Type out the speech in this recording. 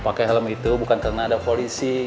pakai helm itu bukan karena ada polisi